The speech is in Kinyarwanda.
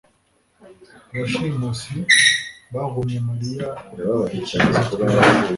Abashimusi bahumye mariya ikibazo twibaza